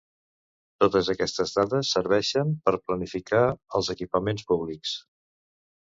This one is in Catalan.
Totes aquestes dades serveixen per planificar els equipaments públics.